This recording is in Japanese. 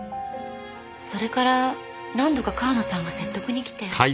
それから何度か川野さんが説得に来て。